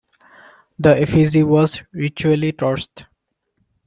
The effigy was ritually torched.